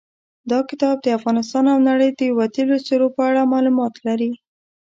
دا کتاب د افغانستان او نړۍ د وتلیو څېرو په اړه معلومات لري.